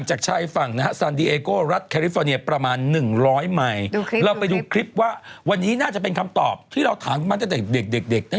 จะให้ฉันอ่านทำไม